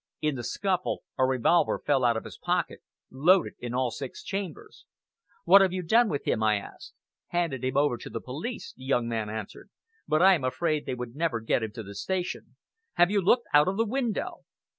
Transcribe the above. In the scuffle, a revolver fell out of his pocket, loaded in all six chambers." "What have you done with him?" I asked. "Handed him over to the police," the young man answered; "but I am afraid they would never get him to the station. Have you looked out of the window?"